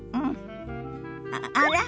あら？